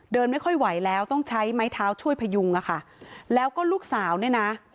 เดินไม่ค่อยไหวแล้วต้องใช้ไม้เท้าช่วยพยุงอะค่ะแล้วก็ลูกสาวเนี่ยนะ